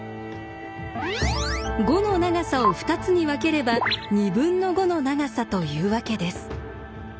５の長さを２つに分ければ２分の５の長さというわけです。